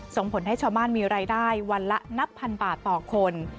ส่งผลให้ชาวบ้านมีรายได้วันละนับพันบาทต่อคน